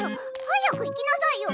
早く行きなさいよ！